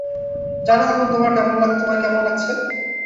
জানো এখন তোমায় কেমন লাগছে?